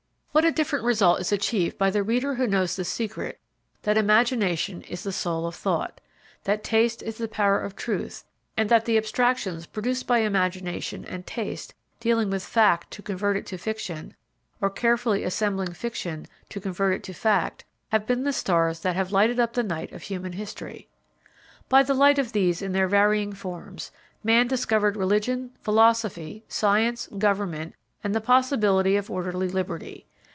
What a different result is achieved by the reader who knows the secret that imagination is the soul of thought, that taste is the power of truth and that the abstractions produced by imagination and taste dealing with fact to convert it to fiction, or carefully assembling fiction to convert it to fact, have been the stars that have lighted up the night of human history. By the light of these in their varying forms man discovered Religion, Philosophy, Science, Government and the possibility of orderly Liberty.